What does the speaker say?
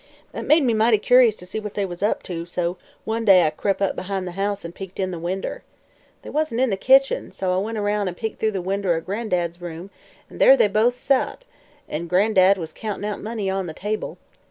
That made me mighty curious to see what they was up to, so one day I crep' up behind the house an' peeked in the winder. They wasn't in the kitchen, so I went aroun' an' peeked through the winder o' Gran'dad's room, an' there they both sot, an' Gran'dad was countin' out money on the table.